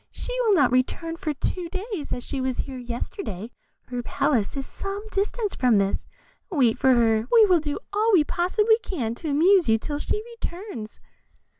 She will not return for two days, as she was here yesterday; her palace is some distance from this; wait for her, we will do all we possibly can to amuse you till she returns."